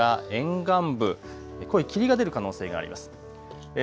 内陸部や沿岸部、濃い霧が出る可能性があります。